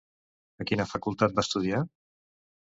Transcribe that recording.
A quina facultat va estudiar?